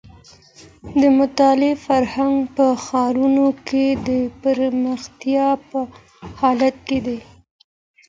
د مطالعې فرهنګ په ښارونو کي د پراختيا په حال کي دی.